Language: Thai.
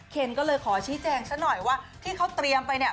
เคนก็เลยขอชี้แจงซะหน่อยว่าที่เขาเตรียมไปเนี่ย